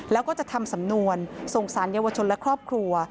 แล้วก็จะทำสำนวนส่งสารเยาวชนและครอบครัว